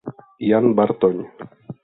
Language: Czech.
Jan Bartoň.